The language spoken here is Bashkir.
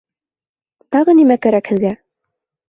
Тағы нимә кәрәк һеҙгә?